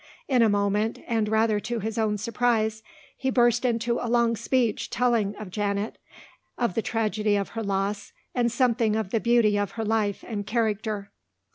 In a moment, and rather to his own surprise, he burst into a long speech telling of Janet, of the tragedy of her loss and something of the beauty of her life and character.